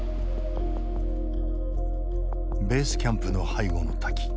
ベースキャンプの背後の滝。